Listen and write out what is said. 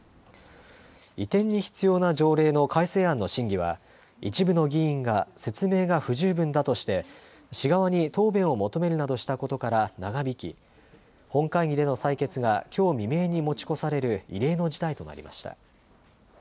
移転に必要な条例の改正案の審議は、一部の議員が説明が不十分だとして、市側に答弁を求めるなどしたことから長引き、本会議での採決がきょう未明に持ち越される異例の事態となりました。